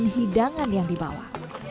hidangan yang dibawa